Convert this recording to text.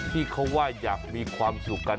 ที่เขาว่าอยากมีความสุขกัน